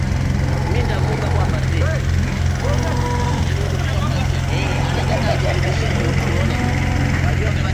Wamevaa viatu